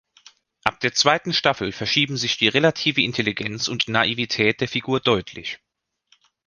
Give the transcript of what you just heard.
Ab der zweiten Staffel verschieben sich die relative Intelligenz und Naivität der Figur deutlich.